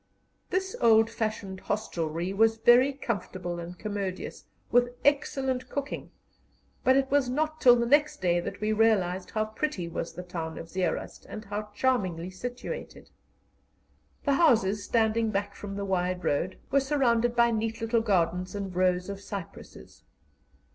This old fashioned hostelry was very comfortable and commodious, with excellent cooking, but it was not till the next day that we realized how pretty was the town of Zeerust, and how charmingly situated. The houses, standing back from the wide road, were surrounded by neat little gardens and rows of cypresses.